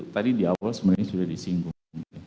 tadi di awal sebenarnya sudah disinggung